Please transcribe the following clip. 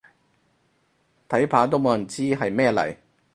睇怕都冇人知係咩嚟